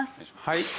はい。